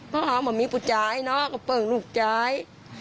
เพราะเขามันมีผู้ใจเนาะก็เปิ่งลูกใจ